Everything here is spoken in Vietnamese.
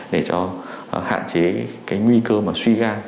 để cho hạn chế cái nguy cơ mà suy gan